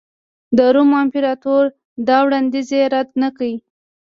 د روم امپراتور دا وړاندیز یې رد نه کړ